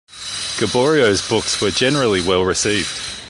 Gaboriau's books were generally well received.